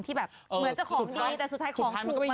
ที่เหมือนจะของดีที่สุดท้ายของถูกออกไปเลย